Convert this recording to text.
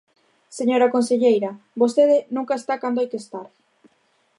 Señora conselleira, vostede nunca está cando hai que estar.